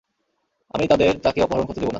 আমি তাদের তাকে অপহরণ করতে দেব না!